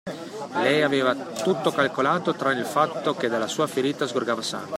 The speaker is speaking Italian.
Lei aveva tutto calcolato tranne il fatto che dalla sua ferita sgorgava sangue.